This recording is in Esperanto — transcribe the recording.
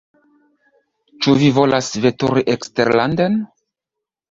Ĉu vi volas veturi eksterlanden?